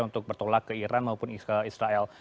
untuk bertolak ke iran maupun ke israel